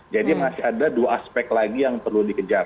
jadi masih ada dua aspek lagi yang perlu dikejar